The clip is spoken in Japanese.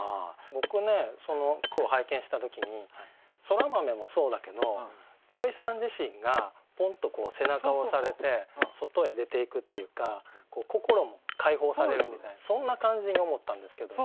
僕ねその句を拝見した時にそら豆もそうだけど土井さん自身がポンとこう背中を押されて外へ出ていくっていうか心も解放されるみたいなそんな感じに思ったんですけど。